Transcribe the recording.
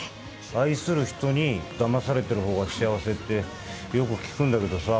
愛する人にだまされてるほうが幸せってよく聞くんだけどさ。